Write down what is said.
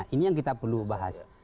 ini yang kita perlu bahas